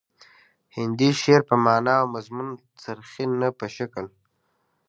هندي شعر په معنا او مضمون څرخي نه په شکل